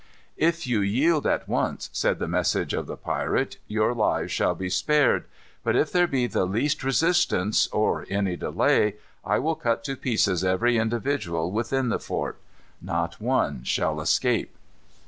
"If you yield at once," said the message of the pirate, "your lives shall be spared. But if there be the least resistance, or any delay, I will cut to pieces every individual within the fort. Not one shall escape."